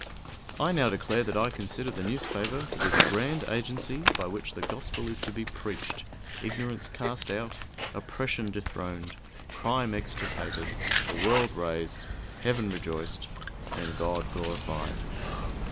I now declare that I consider the newspaper to be the grand agency by which the Gospel is to be preached, ignorance cast out, oppression dethroned, crime extirpated, the world raised, heaven rejoiced, and God glorified.